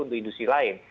untuk industri lain